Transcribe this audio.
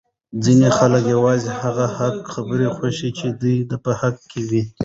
ځینی خلک یوازی هغه حق خبره خوښوي چې د ده په حق کي وی!